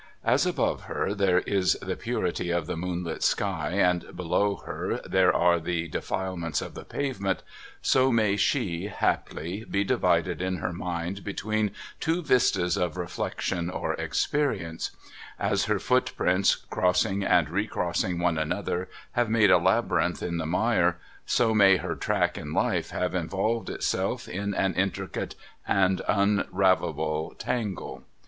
As above her there is the purity of the moonlit sky, and below her there are the defilements of the pavement, so may she, haply, be divided in her mind between two vistas of reflection or experience. As her footprints crossing and recrossing one another have made a labyrinth 472 No THOROUGHFARE in the mire, so may her track in Hfc have involved itself in an intricate and unravellable tangle.